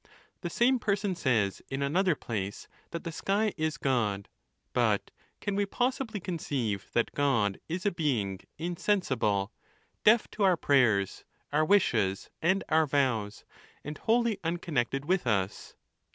The same person says, in another place, that the sky is God ; but can we possibly conceive that God is a being insensible, deaf to our prayers, our wishes, and our vows, and wholly unconnected with us?